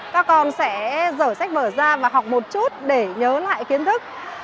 các con sẽ dở sách vở ra và học một chút để nhớ lại kiến thức